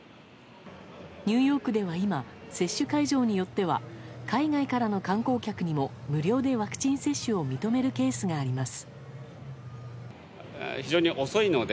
ニューヨークでは今接種会場によっては海外からの観光客にも無料でワクチン接種を認めるケースがあります。